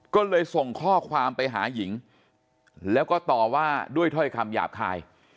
ก็เลยส่งข้อความไปหาหญิงแล้วก็ต่อว่าด้วยถ้อยคำหยาบคาย